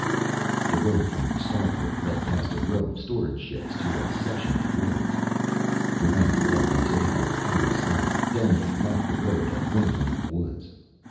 The road from the starport led past a row of storage sheds to a section of woods. Barrent walked until he was out of sight. Then he left the road and went into the woods.